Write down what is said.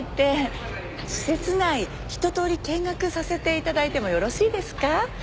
施設内一通り見学させて頂いてもよろしいですか？